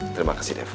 terima kasih defon